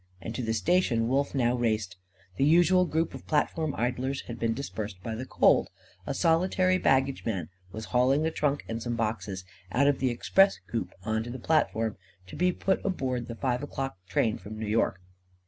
And to the station Wolf now raced. The usual group of platform idlers had been dispersed by the cold. A solitary baggageman was hauling a trunk and some boxes out of the express coop on to the platform; to be put aboard the five o'clock train from New York.